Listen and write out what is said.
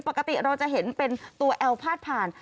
ปกติเราจะเห็นเป็นตัวแอลพาดผ่าน